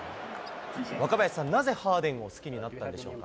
若林さん、なぜハーデンを好きになったんでしょうか。